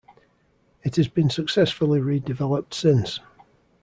It has been successfully redeveloped since.